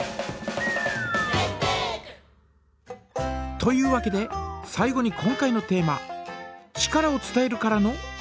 というわけで最後に今回のテーマ「力を伝える」からのクエスチョン！